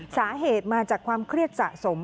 สาเหตุมาจากความเครียดสะสม